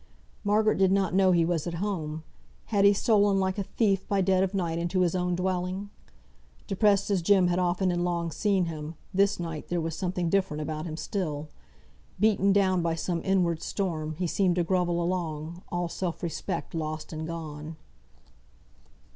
Margaret did not know he was at home: had he stolen like a thief by dead of night into his own dwelling? Depressed as Jem had often and long seen him, this night there was something different about him still; beaten down by some inward storm, he seemed to grovel along, all self respect lost and gone.